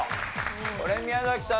これ宮崎さん